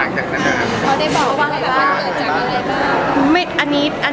เขาได้บอกว่าเกิดจากอะไรบ้าง